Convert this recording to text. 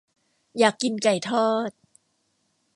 อยากกินไก่ทอด